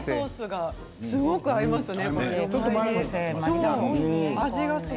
酸っぱいソースがすごく合いますね。